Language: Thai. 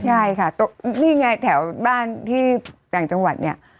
ใช่ค่ะนี่ไงแถวบ้านที่แส่งจังหวัด